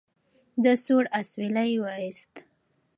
ده سوړ اسویلی وایست.